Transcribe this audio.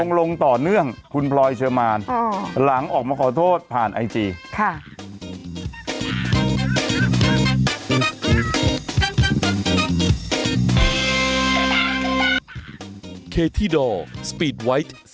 ลงต่อเนื่องคุณพลอยเชอร์มานหลังออกมาขอโทษผ่านไอจี